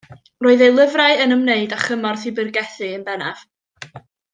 Roedd ei lyfrau yn ymwneud â chymorth i bregethu yn bennaf.